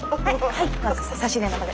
はい。